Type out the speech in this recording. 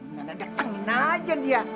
nenek detangin aja dia